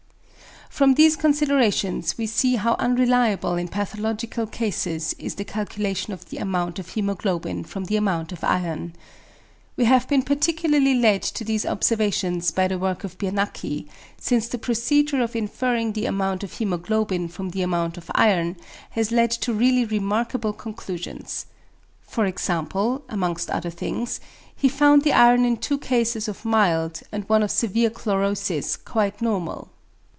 From these considerations we see how unreliable in pathological cases is the calculation of the amount of hæmoglobin from the amount of iron. We have been particularly led to these observations by the work of Biernacki, since the procedure of inferring the amount of hæmoglobin from the amount of iron has led to really remarkable conclusions. For example, amongst other things, he found the iron in two cases of mild, and one of severe chlorosis quite normal.